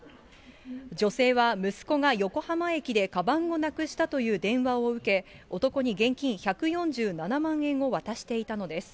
女性は、息子が横浜駅でかばんをなくしたという電話を受け、男に現金１４７万円を渡していたのです。